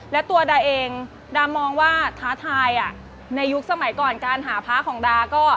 และตัวดาเองดามองว่าท้าทายในยุคสมัยก่อนการหาพระของดาก็